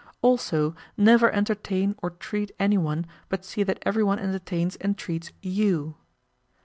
Also, never entertain or treat any one, but see that every one entertains and treats YOU.